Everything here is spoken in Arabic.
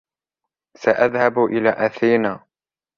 .سأذهب إلى أثينا